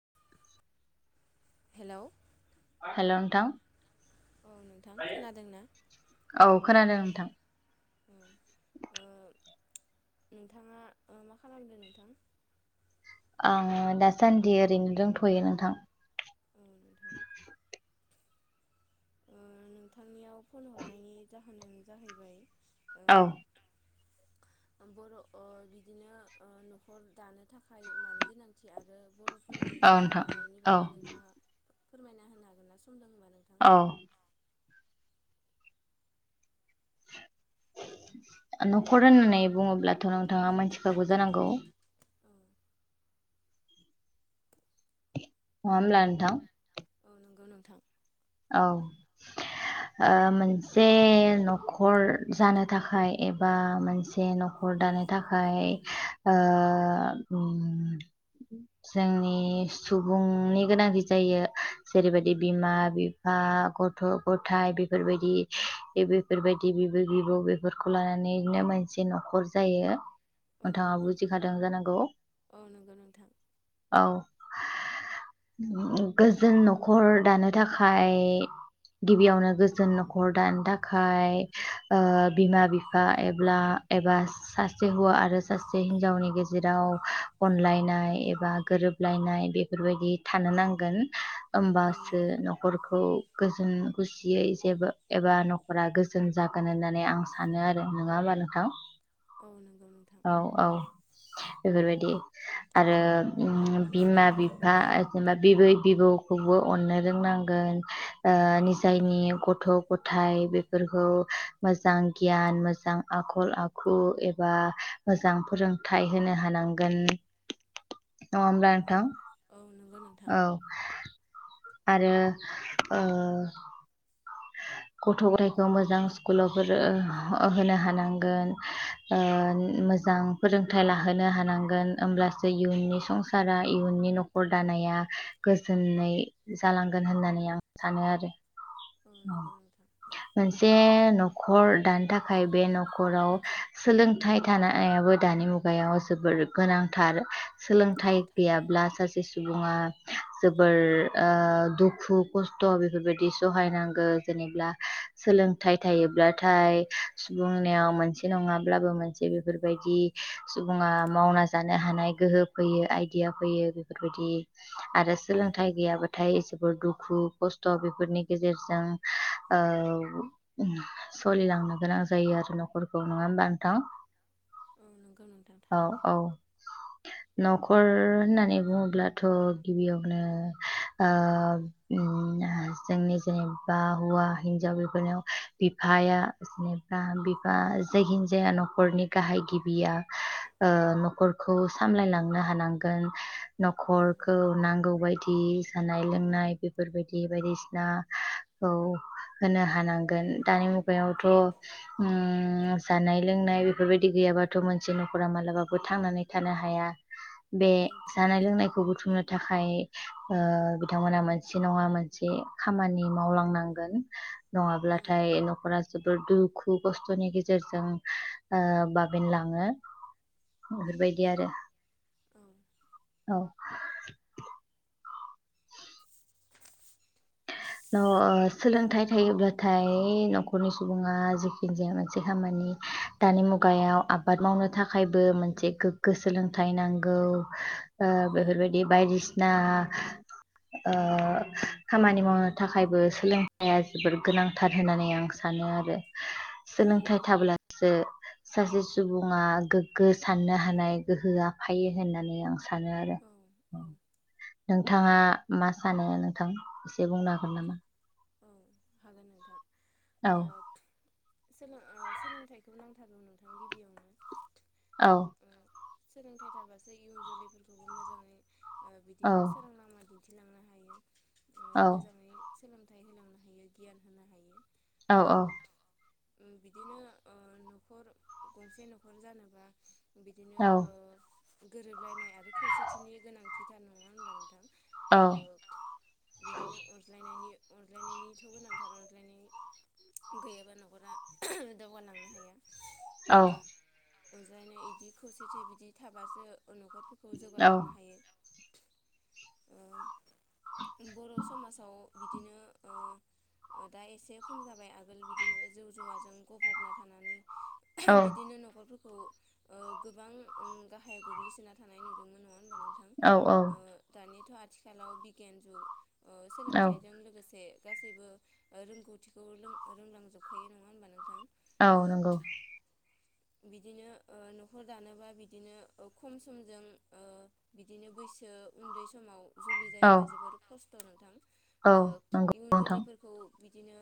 [inaudible] Hello hello नोथां औ नोंथां खोनादों ना औ खोनादों नोंथां। ओ ओ नोंथाङा ओ मा खालामदो नोंथां? आं दासान्दि ओरैनो दोंथ'यो नोंथां। औ नोंथां। ओ नोंथांनियाव फन हरनायनि जाहोनानो जाहैबाय ओ औ। बर' ओ बिदिनो ओ‌ न'खर दानो थाखाय मानि गोनां थि आरो बर'फोरनि औ न'खर नोंथां दानायनायनि औ बागै नोंथाङा फोरमायना होनो हागोन ना? समदोंबा नोंथां औ। न'खर होननानै बुङोब्लाथ' नोंथाङा मोनथिखागौ जानांगौ। औ। नङा होनब्ला नोंथां? औ नंगौ नोंथां। औ। ओ मोनसे न'खर जानो थाखाय एबा मोनसे न' नखर दानो थाखाय ओ उम जोंनि सुबुंनि गोनांथि जायो जेरैबायदि बिमा ओ गथ' गथाय बेफोरबायदि बेफोरबायदि बिबै बिबौ बेफोर खौ लानानैनो मोनसे न'खर जायो। औ नोंथाङा नंगौ बुजिखादों जानांगौ। औ नंगौ नोंथां औ गोजोन न'खर दानो थाखाय फाय गिबियावनो गोजोन न'खर दानो थाखाय बिमा बिफा एब्ला एबास सासे हौवा आरो सासे हिनजावनि गेजेराव अनलायनाय एबा गोरोबलायनाय बे बेफोरबायदि थानो नांगोन औ होमबासो नंगौ न नख'रखौ गोजोन गुसियै जेबो एबा न'खरा गोजोन जागोन होननानै आं सानो आरो नङा होमबा नोंथां? औ नंगौ नोंथां। औ औ बेफोरबायदि। आरो बिमा बिफा जेनबा बिबै बिबौखौबो अननो रोंनांगौ। ओ औ निजायनि गथ' गथाय बेफोरखौ मोजां गियान मोजां आखल आखु एबा मोजां फोरों थाइ होनो हानांगोन। [inaudible] नङा होनब्ला औ नोंथां? औ नंगौ नोंथां। औ आरो ओ [inaudible] गथ' गथायखौ मोजां स्कुलाव होनो हानांगोन। ओ मोजां फोरोंथाइ लाहोनो हानांगोन होमब्लासो इयुननि संसारा इयुननि न'खर दानाया गोजोनै जालांगोन होननानै आं सानो आरो। औ नंगौ नोंथां। मोनसे नखर दानो थाखाय बे न'खराव सोलों सोलोंथाइ थानायाबो दानि मुगायाव जोबोर गोनांथार। औ सोलोंथाइ थारैनो गैयाब्ला सासे सुबुङा जोबोर ओ दुखु खस्थ' बेफोरबायदि सहायनांगौ जेनेब्ला। सोलोंथाइ थायोब्लाथाय सुबुंनियाव मोनसे नङाब्लाबो मोनसे बेफोरबायदि। सुबुङा मावना जानो हानाय गोहो फैयो आइदिया फैयो बेफोरबायदि। आरो औ सोलोंथाइ गैयाबाथाय जोबोर दुखु खस्थ' बेफोरनि गेजेरजों। औ। सोलिलांनो गोनां जायो आरो न'खरखौ नङा होमबा नोंथां। औ नंगौ नोंथां औ थारैनो औ न'खर होननानै बुङोब्ला। अब्लाथ' गिबियावनो ओ ओम जोंनि जेनै। बा हौवा हिनजाव बेफोरनाव बिफाया। निबा बिबा जहिनजाया न'खरनि गाहाय गिबिया। ओ न'खरखौ सामलायलांनो हानांगोन। औ न'खरखौ नांगौ बायदि जानाय लोंनाय बेफोरबायदि बायदिसिना। औ होनो हानांगोन दानि मुगायावथ'। जानाय लोंनाय बेफोरबायदि गैयाबाथ' मोनसे न'खरा मालाबाबो थांनानै थानो हाया। बे। औ थारैनो खौ बुथुमनो थाखाय ओ बिथांमोना मोनसे नङा मोनसे खामानि मावलांनांगोन। नांगोन औ नङाब्लाथाय न'खरा। जोबोर दुखु खस्थ'नि गेजेरजों ओ बाबेनलाङो। बेफोरबायदि आरो। औ। औ। अ-अ सोलोंथाइ थायोबाथाय न'खरनि सुबुङा जिखिनि जाया मोनसे खामानि। दानि मुगायाव आबाद मावनो थाखायबो मोनसे गोग्गो सोलोंथाइ नांगौ। ओ औ बेफोरबायदि बायदिसिना ओ खामानि मावनो। थाखायबो सोलोंथाइया जोबोर गोनांथार होननानै आं सानो आरो। औ नंगौ सोलोंथाइ नोंथां थाब्लासो। सासे सुबुङा गोग्गो साननो हानाय गोहोआ फायो होननानै आं सानो आरो। औ औ। नोंथाङा मा सानो नोंथां एसे बुंनो हागोन नामा। औ हागोन नोंथां। ओ औ। सोलों ओ सोलोंथाइखौ नांथारगौ नोंथां गिबियावनो। औ। सोलोंथाइ थाबासो इयुन जोलैफोरखौबो मोजाङै ओ औ बिदिनो सोरां लामा दि। दिन्थिलांनो हायो औ मोजाङै सोलोंथाइ होलांनो हायो गियान होनो हायो। औ। बिदिनो न'खर गंसे न'खर जानोबा। बिदिनो औ ओ गोरोबलायनाय आरो खौसेथिनि गोनांथिथार नङा होनबा नोंथां। औ बिदिनो अनज्लायनायनि अनज्लायनायनिथ' गोनांथार अनज्लायनाय। गैयाब्ला न'खरा दावगालांनो हाया। औ। अनज्लानाय इदि खौसेथि बिदि थाबासो न'खरफोरखौ जौगालांनो हायो। ओम बर' समाजाव बिदिनो ओ। दा एसे खम जाबाय आगोल बिदिनो जौ जुवाजों गफ्रबना थानानै। औ बिदिनो न'खरफोरखौ। ओ गोबां ओं गाहायाव गोग्लैसोना थानाय नुदोंमोन नङा होनोमबा नोंथां औ ओ दानिथ' आथिखालाव बिगियान जुग ओ औ सोलोंथाइजों लोगोसे गासैबो ओ रोंगौथिखौ रोंलांजोबखायो नङा होमबा नोंथां? औ ओ नंगौ बिदिनो ओ न'खर दानोबा बिदिनो खम समजों ओ बिदिनो बैसो उन्दै समाव जुलि जायोबा औ जोबोर खस्थ' नोंथां औ ओ नंगौ इयुन नोंथां जोलैफोरखौ बिदिनो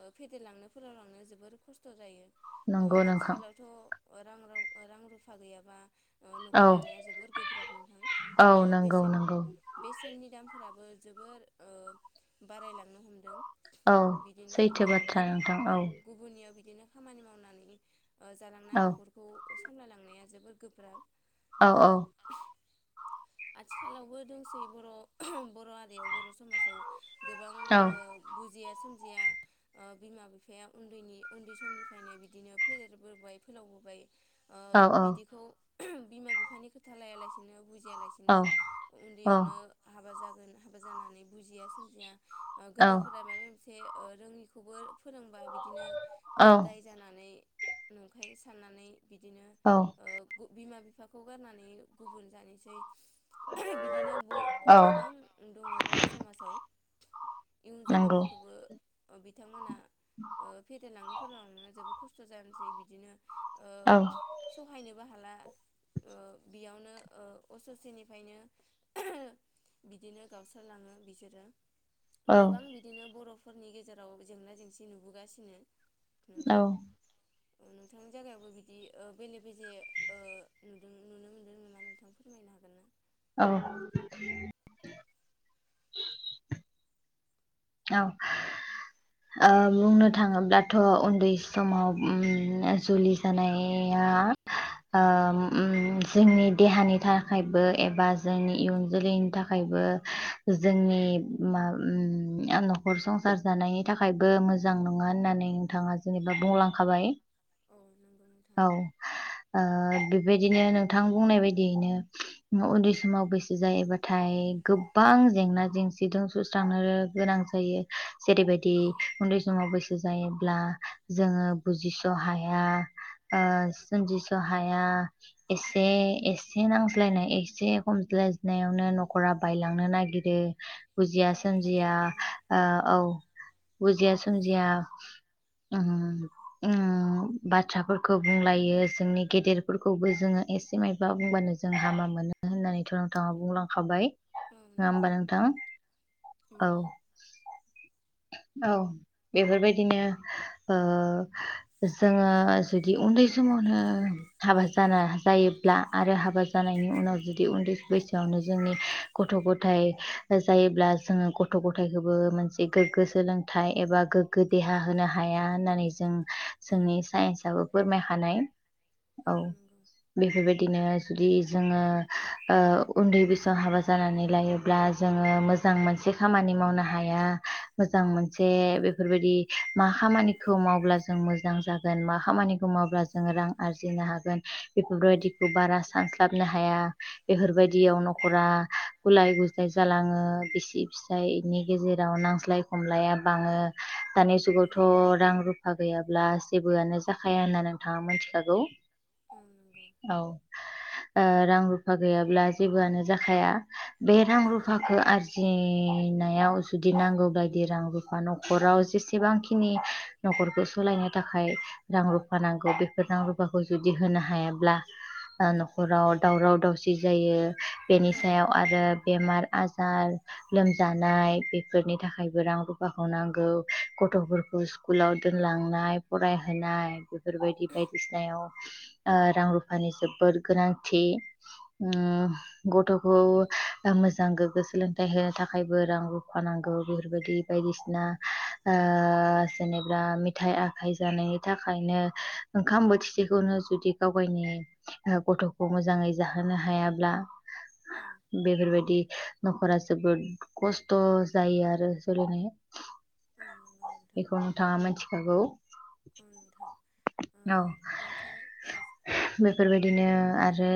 ओ फेदेरलांनो फोरावलांनो जोबोर खस्थ' जायो। ओ नंगौ नोंथां आथिखालावथ' ओ रां राव रां रुफा गैयाबा ओ न'खर औ दानाया जोबोर गोब्राब नोंथां ओ औ नंगौ बेसेन नंगौ बेसेननि दामफोराबो जोबोर ओ बारायलांनो हमदों। औ बिदिनो सैथो ओ बाथ्रा खाम नोंथां औ। गुबुननियाव बिदिनो खामानि मावनानै जालांना ओ औ न'खरखौ सामलायलांनाया जोबोर गोब्राब। औ औ औ आथिखालावबो दंसै बर' बर' हारियाव बर' समाजाव गोबां औ ओ बुजिया सोमजिया ओ बिमा बिफाया उन्दैनि उन्दै समनिफ्रायनो बिदिनो फेदेरबोबाय फोलावबोबाय ओ औ बिदिखौ बिमा बिफानि खोथा लाया लासिनो बुजिया लासि औ उन्दैयावनो हाबा जागोन हाबा जानानै बुजिया सोमजिया ओ औ गोदोरफोरा माबा मोनसे ओ रोङिखौबो फोरोंबा बिदिनो ओ दाय जानानै नंखाय साननानै बिदिनो औ ओ बिमा बिफाखौ गारनानै गुबुन जानोसै। बिदिनो औ गोबां दङ बर' समाजाव। इयुन नंगौ जोलैफोरखौबो ओ बिथांमोना ओ फेदेरलांनो फोलावनो जोबोर खस्थ' जानोसै बिदिनो ओ औ सहायनोबो हाला ओ बेयावनो ओ असेनि फायनो बिदिनो गावस्रालाङो बिसोरो औ गोबां बि दिनो बर'फोरनि गेजेराव जेंना जेंसि नुबोगासिनो नोंथां। नोंथांनि जायगायावबो बिदि ओ बेले बेजे ओ नुदों नुनो मोनदों नामा नोंथां? फोरमायनो हागोन ना? औ [unintelligible] औ ओ बुंनो थाङोब्लाथ' उन्दै समाव जुलि जानाया ओ जोंनि देहानि थाखायबो एबा जोंनि इयुन जोलैनि थाखायबो जोंनि मा न'खर संसार जानायनि थाखायबो मोजां नङा होननानै नोंथाङा जेनेबा बुंलांखाबाय। औ नंगौ नोंथां। औ ओ बेबायदिनो नोंथां बुंनाय बायदियैनो न' उन्दै समाव बैसो जायोबाथाय गोबां जेंना जेंसिजों सुस्रांङो। गोनां जायो जेरैबायदि औ उन्दै समाव बै बो जायोब्ला जोङो बुजिस' हाया। ओ सोमजिस' हाया। एसे एसे नांज्लायनाय एसे हमज्लायनायावनो न'खरा बायलांनो नागिर रो बुजिया औ सोमजिया। थारैनो ओ औ बुजिया सोमजिया उम उम बाथ्राफोरखौ बुंलायो जोंनि गेदेरफोरखौबो जोङो एसे मायबा बुंबानो जोंहामा मोनो होननानैथ' नोंथाङा बुंलांखाबाय। नोंथां औ ङा नंगौ होमबा नोंथां? औ नंगौ औ बेफोरबायदिनो ओ जोङो जुदि उन्दै समावनो हाबा जाना जायोब्ला आरो हाबा जानायनि उनाव जुदि उन्दैस बैसोआवनो जोंनि गथ' गथाय जायोब्ला जोङो गथ' ग गथायखौबो मोनसे गोग्गो सोलोंथाइ एबा गोग्गो देहा होनो हाया होननानै जों औ सोंनि साइन्सावबो फोरमाय हानाय औ। बेफोरबायदिनो जुदि जोङो ओ उन्दै बेसोआव हाबा जानानै लायोब्ला जोङो मोज जां मोनसे खामानि मावनो हाया मोजां मोनसे बेफोरबायदि मा खामानिखौ मावब्ला जों मोजां जा गोन मा खामानिखौ मावब्ला जोंङो रां आरजिनो हागोन बेफोरबायदिखौ बारा सानस्लाबनो हाया। बेफोरबायदियाव न'खरा गुलाय गुजाय जालाङो बिसि फिसाय नि गेजेराव नांज्लाय खमलाया बाङो दानि औ जुगावथ' रां रु फा गैयाब्ला जेबोआनो जाखाया होनना नोंथाङा मिथिखागौ। फो औ ओ रां रुफा गैयाब्ला जेबोआनो जाखाया। बे रां औ रुफाखौ आरजि नायाव जुदि नांगौ बायदि रां रुफा न'खराव जेसेबांखिनि न'खरखौ सालायनो थाखाय रां रुफा नांगौ बेफोर रां रुफाखौ जुदि होनो हायाब्ला ओ न'खराव दावराव दावसि जायो बेनि औ सायाव आरो बेमार आजार लोम दानाय बेफोरनि थाखायबो रां रुफाखौ नांगौ गथ'फोरखौ स्कुलाव दोनलांनाय फरायहोनाय बेफोरबायदि बायदिसिनायाव ओ रां रुफानि जोबोद गोनांथि। ओम गथ'खौ ओ मोजां गोग्गो सोलोंथाइ होनो था खायबो रां रुफा नांगौ बेफोरबायदि बायदिसिना ओ जेनेब्रा मित थाइ आखाइ जानायनि थाखायनो ओंखाम बोथिसेखौनो जुदि गाव गावनि ओ गथ'खौ मोजाङै जाहोनो हायाब्ला उम बेफोरबायदि न'खरा जोबोद खस्थ' जायो आरो सोलिनो। औ नंगौ नोंथां। थांआ मोनथिखागौ। औ नोंथां ओ नोंथां ओ ज बेफोरबायदिनो आरो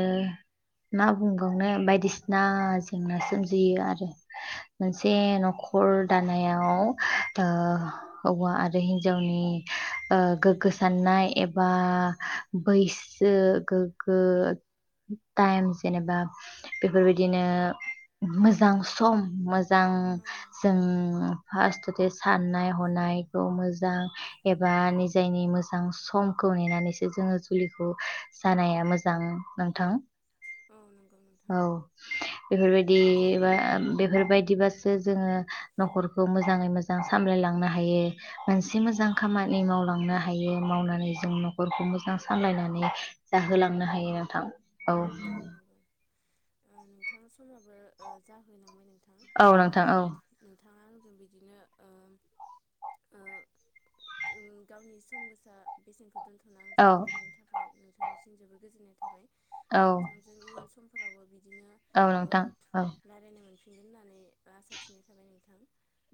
मा बुंबावनो बायदिसिना जेंना सोमजियो आरो। औ मोनसे औ न'खर दानायाव ओ हौवा आरो हिन्जावनि ओ गोग्गो साननाय एबा बैस सो गोग्गो टाइम जेनेबा बेफोरबायदिनो मोजां सम मोज जां औ जों फास्थ'थे साननाय हनायखौ मोजां एबा निजायनि मोजां समखौ नेनानैसो जोङो जुलिखौ जानाया मोजां नोंथां। औ नंगौ नोंथां। औ। बेफोरबायदि बा बेफोरबायदिबासो जोङो न'खरखौ मोजाङै मोज जां सामलायलांनो हायो। मोनसे मोजां औ खामानि मावलांनो हायो मावनानै जों न'खरखौ मोजां सामलायनानै नंगौ जाहोलांनो हायो नोंथां। औ औ नंगौ ओ नोंथां समाबो ओ जाहैलांबाय नों थां औ ओ नोंथां औ नोंथाङा आंजों बिदिनो ओ ओ ओ गावनि सम गोसा बेसेनखौ दोनथ' ना आंजों औ रायलायनो थाखाय नोंथांनिसिन जोबोद गोजोननाय थाखाय। औ नोंथांजों इयुन समफोरावबो बिदिनो औ ओ नोंथां औ रा रायनो मोनफिनगोन होननानै आसा थिनाय थाबाय नोंथां।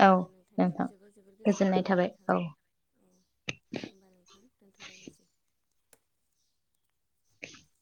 औ ओ नोंथांनिसिम नोंथां जोबोर जोबोर गोजोननाय थाबाय नोंथां। औ दे होमबा नोंथां दोन्थ'लायनोसै। [inaudible]